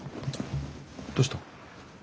どうした？